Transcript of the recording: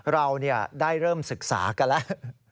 เราได้เริ่มศึกษากันแล้ว